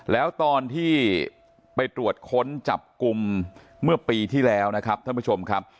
แล้วตอนที่ไปตรวจค้นจับกลุ่มเมื่อปีที่แล้วนะครับท่านผู้ชมครับ